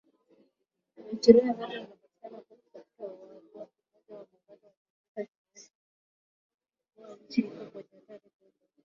Viashiria vyote vinavyopatikana kwetu katika umoja wa muungano wa afrika vinaonyesha kuwa nchi iko kwenye hatari kubwa.